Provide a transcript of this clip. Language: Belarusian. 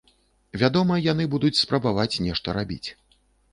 Вядома, яны будуць спрабаваць нешта рабіць.